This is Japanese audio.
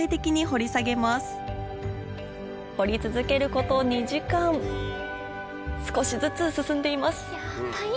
掘り続けること２時間少しずつ進んでいます